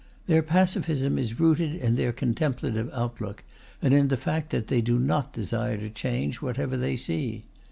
Their pacifism is rooted in their contemplative outlook, and in the fact that they do not desire to change whatever they see.